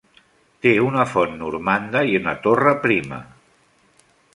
Té una font normanda i una torre prima.